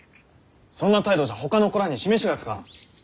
そんな態度じゃほかの子らに示しがつかん。